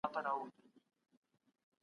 سياسي ګوندونه د خپلو پلويانو د ګټو ساتنه کوي.